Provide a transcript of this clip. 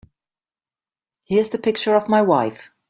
Here's the picture of my wife.